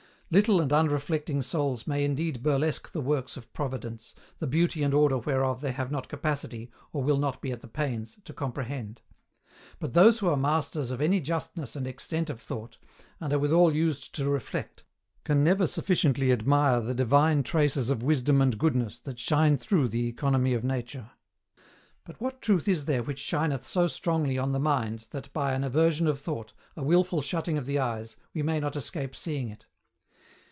Little and unreflecting souls may indeed burlesque the works of Providence, the beauty and order whereof they have not capacity, or will not be at the pains, to comprehend; but those who are masters of any justness and extent of thought, and are withal used to reflect, can never sufficiently admire the divine traces of Wisdom and Goodness that shine throughout the Economy of Nature. But what truth is there which shineth so strongly on the mind that by an aversion of thought, a wilful shutting of the eyes, we may not escape seeing it?